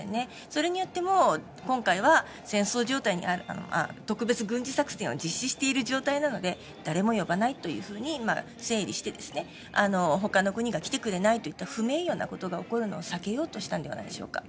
それによってもう今回は、戦争状態にある特別軍事作戦を実施している状態なので誰も呼ばないというふうに整理して他の国が来てくれないといった不名誉なことが起こるのを避けようとしたのではないでしょうか。